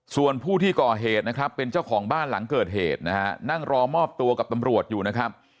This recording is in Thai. ส่วนผู้ที่ก่อเหตุนะครับเป็นเจ้าของบ้านหลังเกิดเหตุนะฮะนั่งรอมอบตัวกับตำรวจอยู่นะครับ